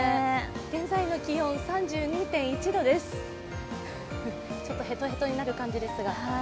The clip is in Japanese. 現在の気温、３２．１度です、ちょっとへとへとになる感じですが。